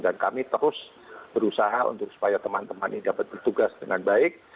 kami terus berusaha untuk supaya teman teman ini dapat bertugas dengan baik